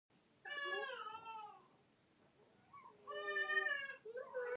ازادي راډیو د بهرنۍ اړیکې په اړه تفصیلي راپور چمتو کړی.